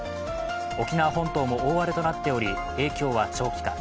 沖縄本島も大荒れとなっており影響は長期化。